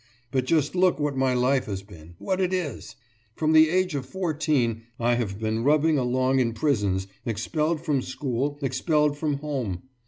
But just look what my life has been, what it is! From the age of fourteen I have been rubbing along in prisons, expelled from school, expelled from home.